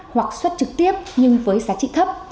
hoặc xuất trực tiếp nhưng với giá trị thấp